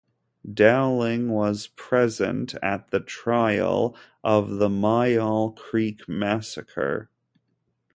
Dowling was present at the trial of the Myall Creek Massacre.